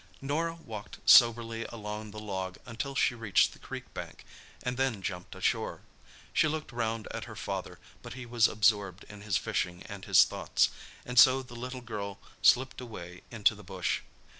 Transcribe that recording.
Norah walked soberly along the log until she reached the creek bank, and then jumped ashore. She looked round at her father, but he was absorbed in his fishing and his thoughts, and so the little girl slipped away into the bush.